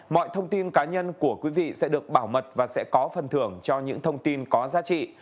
mọi thông tin cá nhân của quý vị sẽ được bảo mật và sẽ có phần thưởng cho những thông tin có giá trị